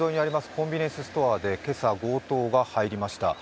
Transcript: コンビニエンスストアで今朝、強盗が入りました。